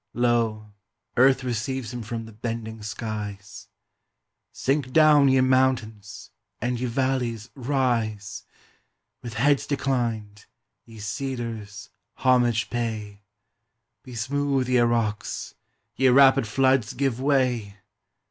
Lo, Earth receives him from the bending skies! Sink down, ye mountains! and ye valleys, rise! With heads declined, ye cedars, homage pay! Be smooth, ye rocks! ye rapid floods, give way!